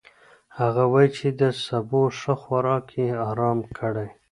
هغه وايي چې د سبو ښه خوراک يې ارام کړی.